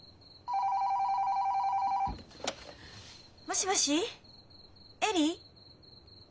☎もしもし恵里？